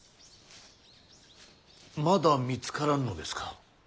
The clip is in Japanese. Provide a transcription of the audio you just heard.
まだ見つからんのですか。